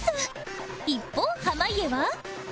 一方濱家は